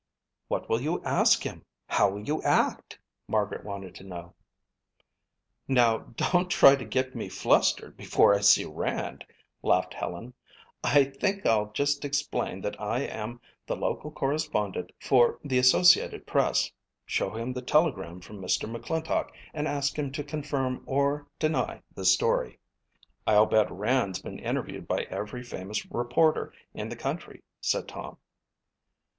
"What will you ask him? How will you act?" Margaret wanted to know. "Now don't try to get me flustered before I see Rand," laughed Helen. "I think I'll just explain that I am the local correspondent for the Associated Press, show him the telegram from Mr. McClintock and ask him to confirm or deny the story." "I'll bet Rand's been interviewed by every famous reporter in the country," said Tom.